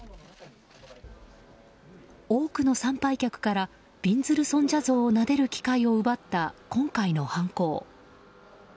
多くの参拝客からびんずる尊者像をなでる機会を奪った今回の犯行。